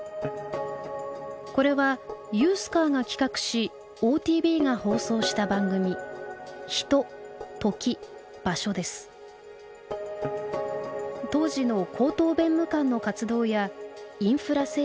これはＵＳＣＡＲが企画しＯＴＶが放送した番組当時の高等弁務官の活動やインフラ整備の進捗